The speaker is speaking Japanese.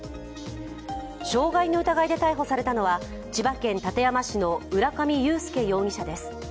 傷害の疑いで逮捕されたのは、千葉県館山市の浦上裕介容疑者です。